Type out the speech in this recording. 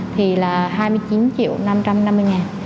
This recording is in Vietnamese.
thì là hai mươi chín triệu năm trăm năm mươi ngàn